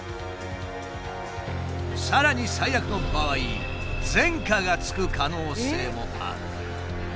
さらに最悪の場合前科がつく可能性もある。